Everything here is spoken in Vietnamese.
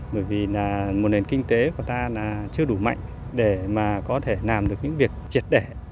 bởi vì là một nền kinh tế của ta là chưa đủ mạnh để mà có thể làm được những việc triệt đẻ